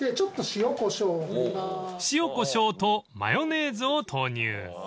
［塩こしょうとマヨネーズを投入］